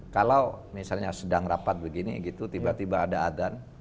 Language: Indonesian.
kalau misalnya sedang rapat begini gitu tiba tiba ada adan